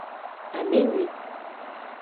Amenyi.